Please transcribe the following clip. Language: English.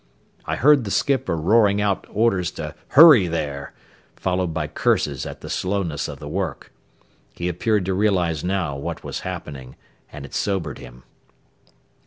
I heard the skipper roaring out orders to "hurry there," followed by curses at the slowness of the work. He appeared to realize now what was happening, and it sobered him.